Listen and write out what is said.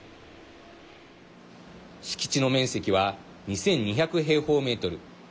敷地の面積は２２００平方メートル。